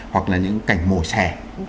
hoặc là những cảnh mổ xẻ